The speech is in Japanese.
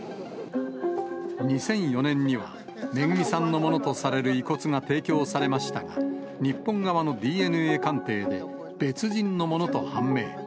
２００４年には、めぐみさんのものとされる遺骨が提供されましたが、日本側のＤＮＡ鑑定で、別人のものと判明。